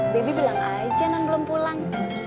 baby bilang aja non belum pulang